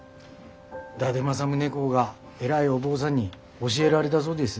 伊達政宗公が偉いお坊さんに教えられだそうです。